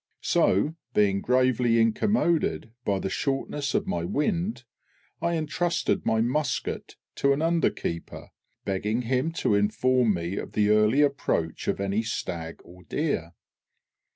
So, being gravely incommoded by the shortness of my wind, I entrusted my musket to an under keeper, begging him to inform me of the early approach of any stag or deer.